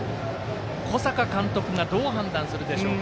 小坂監督がどう判断するでしょうか。